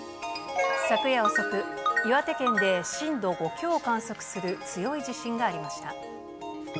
昨夜遅く、岩手県で震度５強を観測する強い地震がありました。